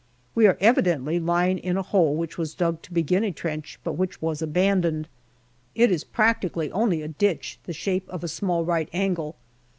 We are evidently lying in a hole which was dug to begin a trench, but which was abandoned. It is practically only a ditch the shape of a small right angle.